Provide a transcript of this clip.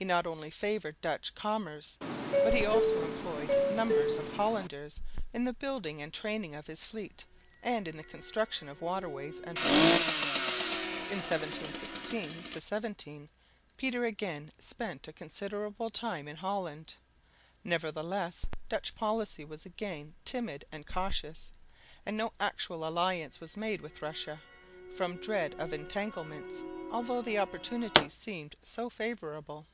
He not only favoured Dutch commerce, but he employed numbers of Hollanders in the building and training of his fleet and in the construction of waterways and roads. In 1716 17 Peter again spent a considerable time in Holland. Nevertheless Dutch policy was again timid and cautious; and no actual alliance was made with Russia, from dread of entanglements, although the opportunity seemed so favourable.